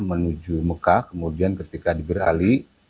menuju mekah kemudian ketika diberali